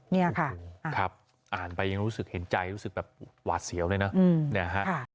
นี่ค่ะครับอ่านไปยังรู้สึกเห็นใจรู้สึกแบบหวาดเสียวเลยนะเนี่ยฮะ